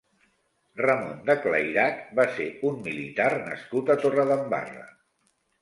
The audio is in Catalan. Ramón de Clairac va ser un militar nascut a Torredembarra.